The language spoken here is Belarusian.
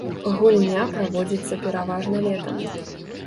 Гульня праводзіцца пераважна летам.